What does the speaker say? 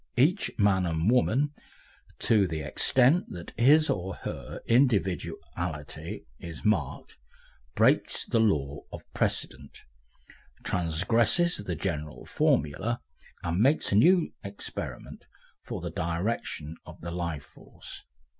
Each man and woman, to the extent that his or her individuality is marked, breaks the law of precedent, transgresses the general formula, and makes a new experiment for the direction of the life force.